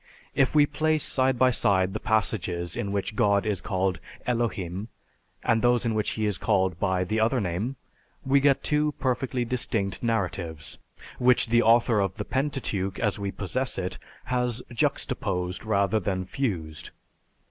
If we place side by side the passages in which God is called Elohim, and those in which he is called by the other name, we get two perfectly distinct narratives, which the author of the Pentateuch, as we possess it, has juxtaposed rather than fused.